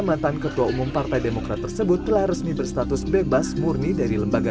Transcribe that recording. mantan ketua umum partai demokrat tersebut telah resmi berstatus bebas murni dari lembaga